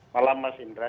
malam mas indra